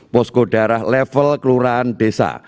posko daerah level kelurahan desa